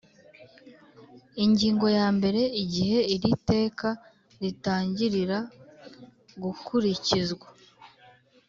Ingingo ya mbere Igihe iri teka ritangirira gukurikizwa